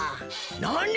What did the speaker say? なに！？